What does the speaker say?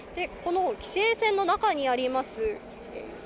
規制線の中にあります